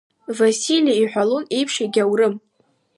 Васили иҳәалоит еиԥш, егьаурым.